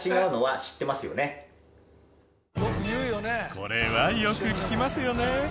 これはよく聞きますよね。